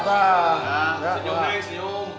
senyum neng senyum